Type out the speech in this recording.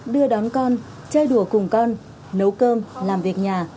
đưa đón con chơi đùa cùng con nấu cơm làm việc nhà